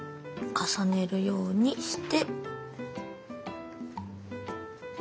重ねるようにして。